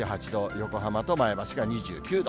横浜と前橋が２９度。